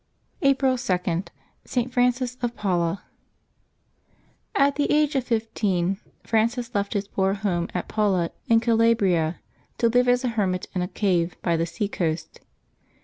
April 2.— ST. FRANCIS OF PAULA. aT the age of fifteen Francis left his poor home at Paula in Calabria, to live as a hermit in a cave by the sea coast.